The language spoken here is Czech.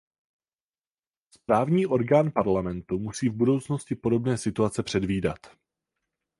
Správní orgán Parlamentu musí v budoucnosti podobné situace předvídat.